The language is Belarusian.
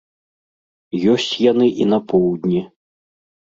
Ёсць яны і на поўдні.